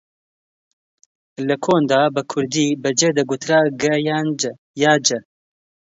لە کۆندا بە کوردی بە جێ دەگوترا گەه یا جەه